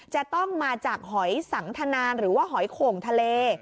จะต้องมาจากหอยสังทนานหรือว่าหอยโข่งทะเล